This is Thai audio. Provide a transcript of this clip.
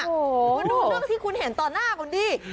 คุณดูเรื่องที่คุณเห็นต่อหน้าคุณดิ